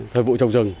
thời vụ trồng rừng